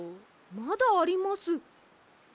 まだあります。